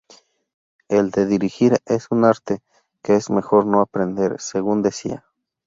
El de dirigir es un arte que es mejor no aprender, según decía.